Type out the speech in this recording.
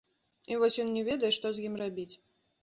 І вось ён не ведае, што з ім рабіць.